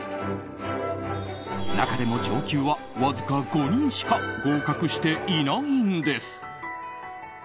中でも上級は、わずか５人しか合格していないんです。